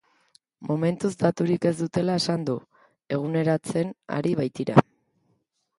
Momentuz daturik ez dutela esan du, eguneratzen ari baitira.